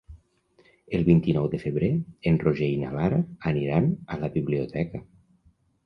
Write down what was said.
El vint-i-nou de febrer en Roger i na Lara aniran a la biblioteca.